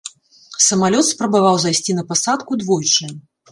Самалёт спрабаваў зайсці на пасадку двойчы.